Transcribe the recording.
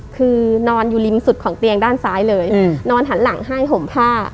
คือนอนอยู่ริมสุดของเตียงด้านซ้ายเลยนอนหันหลังให้ห่มผ้า